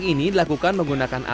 ini prosesnya masih panjang